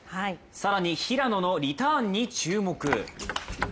更に平野のリターンに注目。